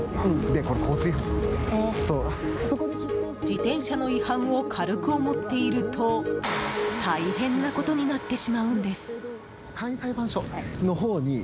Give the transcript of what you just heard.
自転車の違反を軽く思っていると大変なことになってしまうんです。